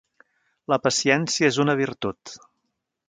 La paciència és una virtut.